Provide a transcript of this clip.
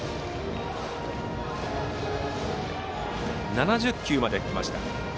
７０球まできました。